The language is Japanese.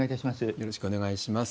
よろしくお願いします。